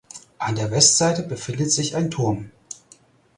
An der Westseite befindet sich ein Turm.